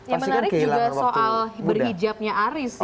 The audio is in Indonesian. yang menarik juga soal berhijabnya aris ya